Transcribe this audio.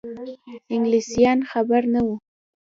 انګلیسیان خبر نه وه.